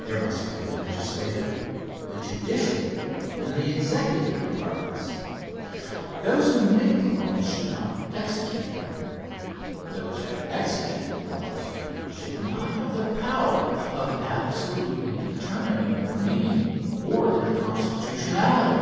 There must be the legislative, the judicial and the executive departments. Those who make laws should not execute them. Those who execute laws should not have the power of absolutely determining their meaning or their constitutionality.